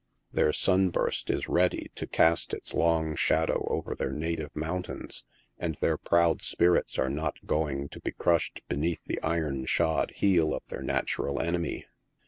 Their " Sunburst'' is ready to cast its long shadow over their native mountains, and their proud spirits are not going to be crushed beneath the iron shod heel of their natural enemy.